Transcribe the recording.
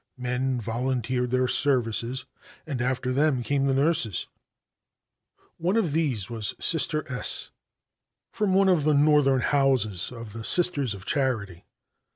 Men volunteered their services. After them came the nurses. One of these was Sister S , from one of the Northern houses of the Sisters of Charity.